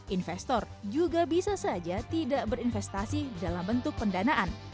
investor juga bisa saja tidak berinvestasi dalam bentuk pendanaan